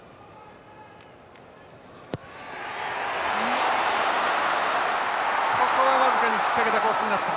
あっここは僅かに引っ掛けたコースになった。